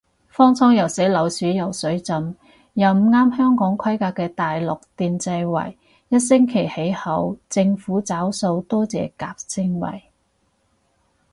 方艙又死老鼠又水浸又唔啱香港規格嘅大陸電掣位，一星期起好，政府找數多謝夾盛惠